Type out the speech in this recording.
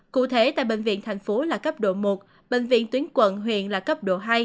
cụ thể tại bệnh viện thành phố là cấp độ một bệnh viện tuyến quận huyện là cấp độ hai